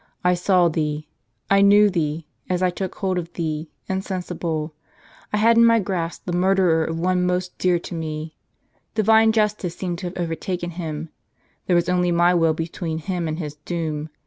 I saw thee : I knew thee, as I took hold of thee, insensible. I had in my grasp the murderer of one most dear to me. Divine justice seemed to have overtaken him; there was only my will between him and his doom.